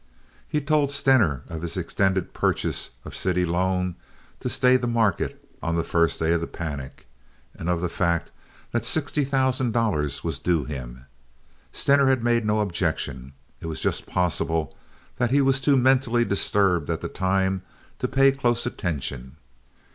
He had told Stener of his extended purchase of city loan to stay the market on the first day of the panic, and of the fact that sixty thousand dollars was due him. Stener had made no objection. It was just possible that he was too mentally disturbed at the time to pay close attention.